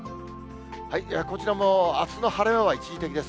こちらもあすの晴れ間は一時的です。